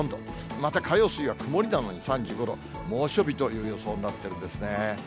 また火曜、水曜は曇りなのに３５度、猛暑日という予想になっているんですね。